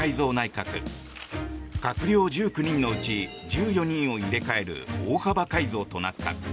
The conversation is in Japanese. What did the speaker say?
閣僚１９人のうち１４人を入れ替える大幅改造となった。